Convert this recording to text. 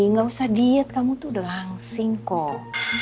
nggak usah diet kamu tuh udah langsing kok